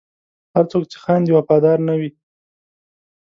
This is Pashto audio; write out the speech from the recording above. هر څوک چې خاندي، وفادار نه وي.